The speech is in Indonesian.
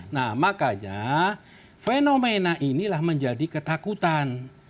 nah makanya fenomena inilah menjadi ketakutan